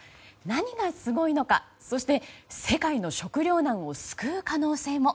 何がすごいのかそして、世界の食糧難を救う可能性も。